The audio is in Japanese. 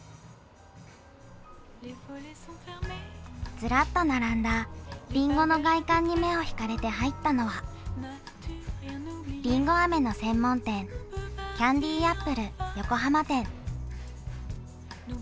ずらっと並んだりんごの外観に目を引かれて入ったのはりんごあめの専門店、Ｃａｎｄｙａｐｐｌｅ横浜店。